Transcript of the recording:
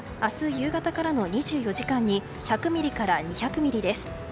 夕方からの２４時間に１００ミリから２００ミリです。